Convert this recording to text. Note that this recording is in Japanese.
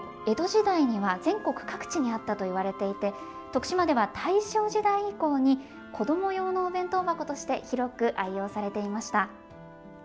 江戸時代には全国各地にあったといわれていて徳島では大正時代以降に子ども用のお弁当箱として広く愛用されていました。